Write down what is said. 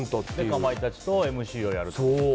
かまいたちとＭＣをやると。